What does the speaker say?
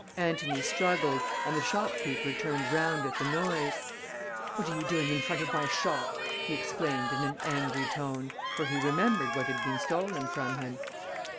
Antony struggled, and the shopkeeper turned round at the noise. "What are you doing in front of my shop?" he exclaimed, in an angry tone; for he remembered what had been stolen from him.